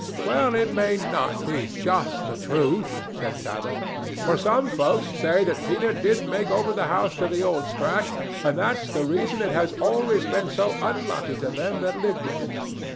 "Well, it may not be just the truth," said Tabitha, "for some folks say that Peter did make over the house to the Old Scratch, and that's the reason it has always been so unlucky to them that lived in it.